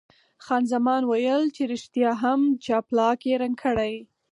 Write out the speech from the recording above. خان زمان ویل چې ریښتیا هم جاپلاک یې رنګ کړی.